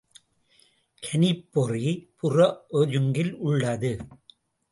கணிப்பொறி புற ஒருங்கில் உள்ளது.